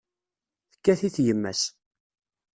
Tekkat-it yemma-s.